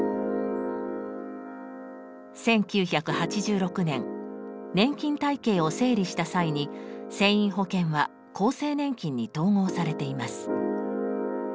１９８６年年金体系を整理した際に船員保険は厚生年金に統合されています。